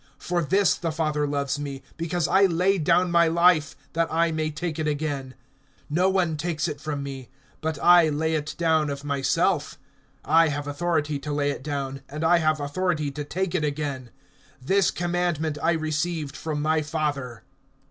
(17)For this the Father loves me, because I lay down my life, that I may take it again. (18)No one takes it from me, but I lay it down of myself. I have authority to lay it down, and I have authority to take it again. This commandment I received from my Father.